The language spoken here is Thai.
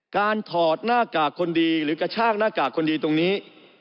ถอดหน้ากากคนดีหรือกระชากหน้ากากคนดีตรงนี้